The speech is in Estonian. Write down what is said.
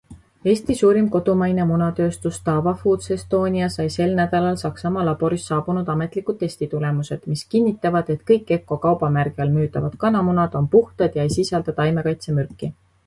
Eesti suurim kodumaine munatööstus DAVA Foods Estonia sai sel nädalal Saksamaa laborist saabunud ametlikud testitulemused, mis kinnitavad, et kõik Eggo-kaubamärgi all müüdavad kanamunad on puhtad ja ei sisalda taimekaitsemürki.